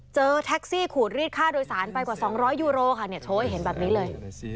เจอแท็กซี่ขูดรีดค่าโดยสารไปกว่า๒๐๐ยูโรค่ะโชว์ให้เห็นแบบนี้เลย